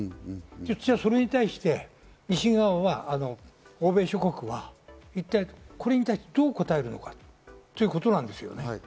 じゃあ、それに対して西側は、欧米諸国は、これに対してどう答えるかということなんですよ。